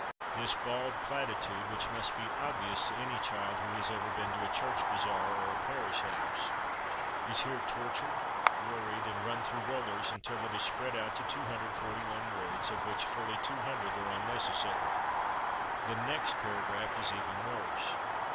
This bald platitude, which must be obvious to any child who has ever been to a church bazaar or a parish house, is here tortured, worried and run through rollers until it is spread out to 241 words, of which fully 200 are unnecessary. The next paragraph is even worse.